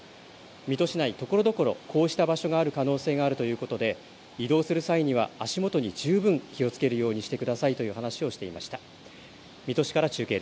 水戸市内、ところどころこうした場所がある可能性があるということで移動する際には足元に十分、気をつけるようにしてくださいという話をしていました。